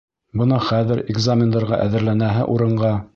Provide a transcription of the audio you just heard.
Бына хәҙер экзамендарға әҙерләнәһе урынға...